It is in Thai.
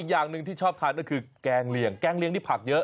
อย่างหนึ่งที่ชอบทานก็คือแกงเหลี่ยงแกงเลียงนี่ผักเยอะ